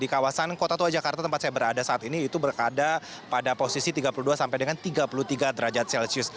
di kawasan kota tua jakarta tempat saya berada saat ini itu berada pada posisi tiga puluh dua sampai dengan tiga puluh tiga derajat celcius